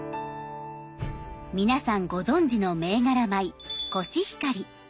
皆さんご存じの銘柄米コシヒカリ。